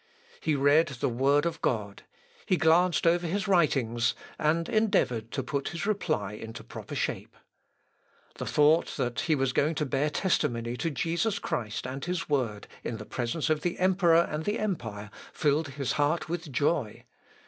He read the Word of God; he glanced over his writings, and endeavoured to put his reply into proper shape. The thought that he was going to bear testimony to Jesus Christ and his Word, in presence of the emperor and the empire, filled his heart with joy.